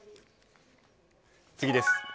次です。